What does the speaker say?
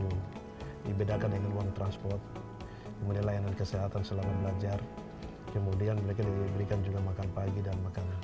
yang dibedakan dengan uang transport kemudian layanan kesehatan selama belajar kemudian mereka diberikan juga makan pagi dan makan